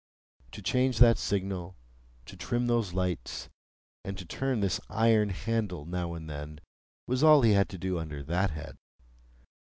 To change that signal, to trim those lights, and to turn this iron handle now and then, was all he had to do under that head.